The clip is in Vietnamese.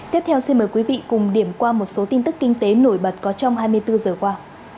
tiếp theo xin mời quý vị cùng điểm qua một số tin tức kinh tế nổi bật có trong hai mươi bốn giờ qua